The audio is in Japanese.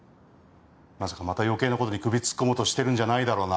まさかまた余計なことに首突っ込もうとしてるんじゃないだろうな？